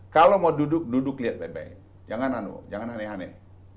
kalau mau duduk duduk lihat tempe jangan aneh aneh